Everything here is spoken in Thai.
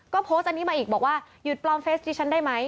ก็โพสต์อันนี้มาอีกบอกว่าหยุดปลอมเฟสที่ฉันได้ไหม